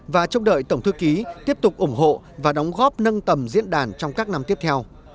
và chúc đợi tổng thư ký tiếp tục ủng hộ và đóng góp nâng tầm diễn đàn trong các năm tiếp theo